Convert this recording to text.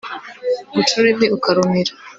guca ururimi ukarumira